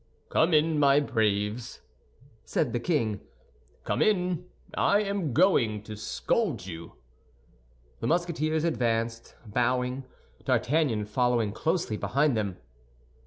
"Come in, my braves," said the king, "come in; I am going to scold you." The Musketeers advanced, bowing, D'Artagnan following closely behind them.